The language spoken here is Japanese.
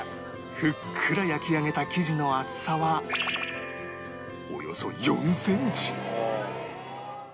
ふっくら焼き上げた生地の厚さはおよそ４センチ